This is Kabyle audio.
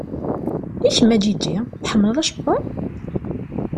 I kemm a Ǧiǧi? Tḥemmleḍ acebbaḍ?